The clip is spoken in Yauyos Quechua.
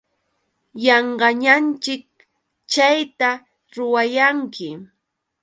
Yanqañaćhik chayta ruwayanki.